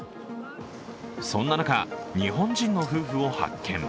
そんな中、日本人の夫婦を発見。